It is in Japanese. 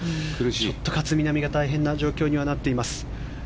ちょっと勝みなみが大変な状況にはなっています。